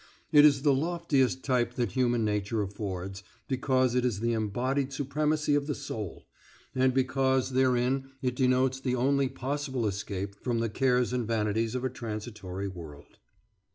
It is the loftiest type that human nature affords, because it is the embodied supremacy of the soul, and because therein it denotes the only possible escape from the cares and vanities of a transitory world."